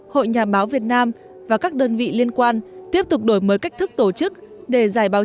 hội nhà báo việt nam và các đơn vị liên quan tiếp tục đổi mới cách thức tổ chức để giải báo